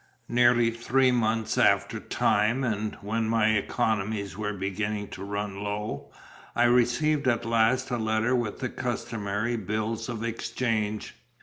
Nearly three months after time, and when my economies were beginning to run low, I received at last a letter with the customary bills of exchange.